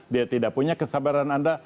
dia tidak punya kesabaran anda